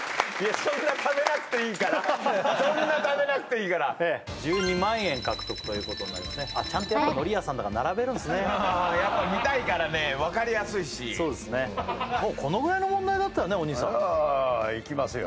そんなためなくていいからそんなためなくていいから１２万円獲得ということになりますねあっちゃんとやっぱ海苔屋さんだから並べるんすねやっぱ見たいからね分かりやすいしもうこのぐらいの問題だったらねお兄さんああいきますよ